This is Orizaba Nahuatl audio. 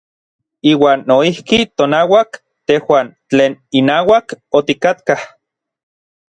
Iuan noijki tonauak tejuan tlen inauak otikatkaj.